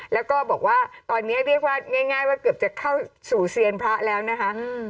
แล้วก็บอกว่าตอนนี้เรียกว่าง่ายว่าเกือบจะเข้าสู่เซียนพระแล้วนะคะ